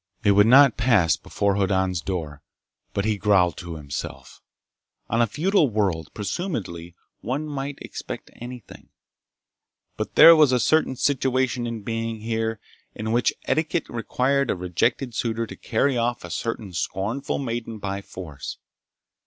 It would not pass before Hoddan's door, but he growled to himself. On a feudal world, presumably one might expect anything. But there was a situation in being, here, in which etiquette required a rejected suitor to carry off a certain scornful maiden by force.